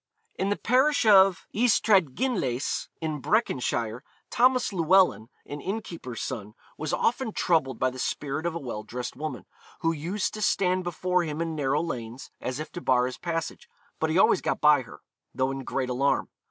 In the parish of Ystradgynlais, in Breconshire, Thomas Llewellyn, an innkeeper's son, was often troubled by the spirit of a well dressed woman, who used to stand before him in narrow lanes, as if to bar his passage, but he always got by her, though in great alarm.